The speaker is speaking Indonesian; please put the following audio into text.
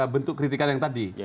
bentuk kritikan yang tadi